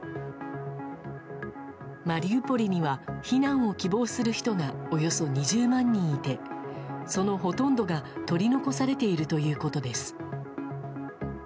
マリウポリには避難を希望する人がおよそ２０万人いてそのほとんどが取り残されているということです。